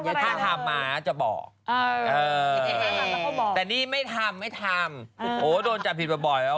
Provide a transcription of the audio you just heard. พี่พี่มีคำถามมาแล้วจะบอกแต่นี่ไม่ทำโอ้โฮโฆเลว่าโดนจับผิดมาบ่อย